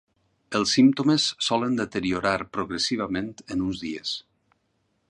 Els símptomes solen deteriorar progressivament en uns dies.